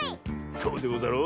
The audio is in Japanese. そうでござろう。